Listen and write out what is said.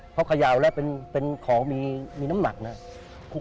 เพราะเขย่าแล้วเป็นของมีน้ำหนักนะครับ